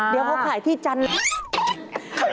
เดี๋ยวเขาขายที่จันทร์